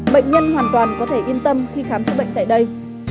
bệnh nhân hoàn toàn có thể yên tâm khi khám chữa bệnh tại đây